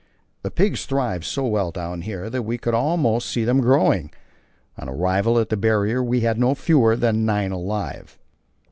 The pigs thrived so well down here that we could almost see them growing; on arrival at the Barrier we had no fewer than nine alive.